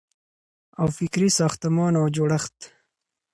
او فکري ساختمان او جوړښت